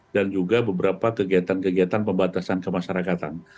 dan juga beberapa kegiatan kegiatan pembatasan kemasyarakatan